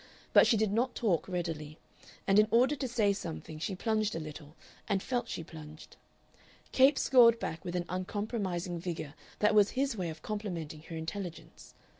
But she did not talk readily, and in order to say something she plunged a little, and felt she plunged. Capes scored back with an uncompromising vigor that was his way of complimenting her intelligence.